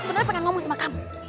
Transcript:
mau bicara sama kamu